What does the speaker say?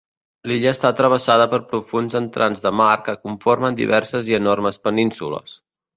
L'illa està travessada per profunds entrants de mar que conformen diverses i enormes penínsules.